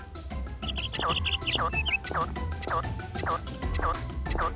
ซุด